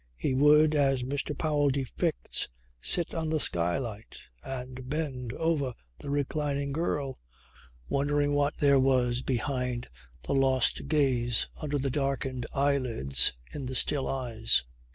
He would, as Mr. Powell depicts, sit on the skylight and bend over the reclining girl, wondering what there was behind the lost gaze under the darkened eyelids in the still eyes.